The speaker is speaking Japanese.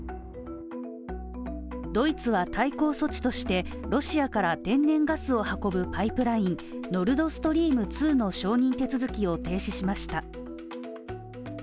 ドイツは対抗措置として、ロシアから天然ガスを運ぶパイプラインノルドストリーム２の承認手続きを停止しました。